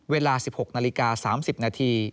เวลา๑๖นาฬิกา๓๐นาที